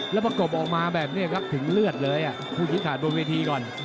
แล้วประกบออกมาแบบนี้ครับถึงเลือดเลยผู้ชี้ขาดบนเวทีก่อน